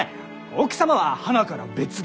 奥様ははなから別で！